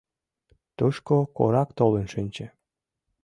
Тушко корак толын шинче.